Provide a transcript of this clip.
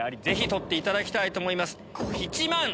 取っていただきたいと思います。